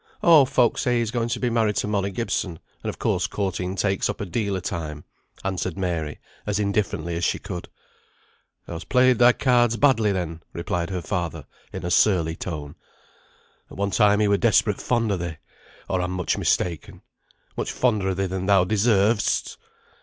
"Oh, folk say he's going to be married to Molly Gibson, and of course courting takes up a deal o' time," answered Mary, as indifferently as she could. "Thou'st played thy cards badly, then," replied her father, in a surly tone. "At one time he were desperate fond o' thee, or I'm much mistaken. Much fonder of thee than thou deservedst."